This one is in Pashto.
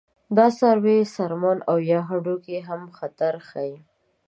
د څارویو څرمن او یا هډوکي هم خطر ښيي.